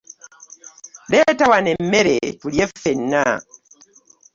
Leeta wano emmere tulye ffena.